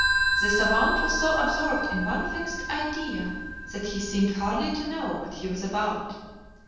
The SAVANT was so absorbed in one fixed idea that he seemed hardly to know what he was about.